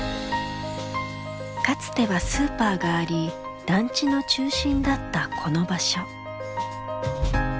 かつてはスーパーがあり団地の中心だったこの場所。